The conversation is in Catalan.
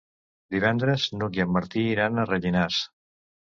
Divendres n'Hug i en Martí iran a Rellinars.